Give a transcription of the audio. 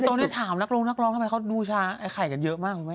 ตอนนี้ถามนักร้องนักร้องทำไมเขาบูชาไอ้ไข่กันเยอะมากคุณแม่